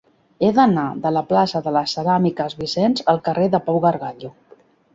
He d'anar de la plaça de les Ceràmiques Vicens al carrer de Pau Gargallo.